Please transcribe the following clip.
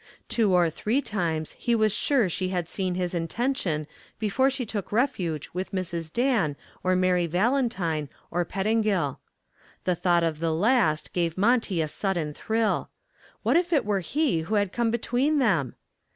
Two or three times he was sure she had seen his intention before she took refuge with Mrs. Dan or Mary Valentine or Pettingill. The thought of the last name gave Monty a sudden thrill. What if it were he who had come between them?